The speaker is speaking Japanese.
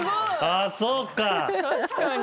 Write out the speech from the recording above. あっそうか。